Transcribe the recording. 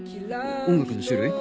音楽の種類？